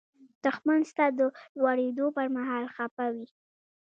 دښمن ستا د لوړېدو پر مهال خپه وي